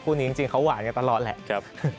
คู่นี้จริงเขาหวานกันตลอดแหละ